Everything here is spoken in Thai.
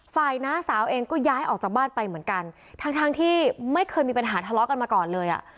น้าสาวเองก็ย้ายออกจากบ้านไปเหมือนกันทั้งทั้งที่ไม่เคยมีปัญหาทะเลาะกันมาก่อนเลยอ่ะ